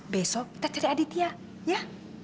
besok kita cari aditya ya